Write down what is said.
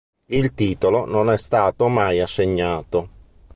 Il titolo non è stato mai assegnato.